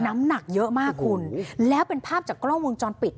น้ำหนักเยอะมากคุณแล้วเป็นภาพจากกล้องวงจรปิด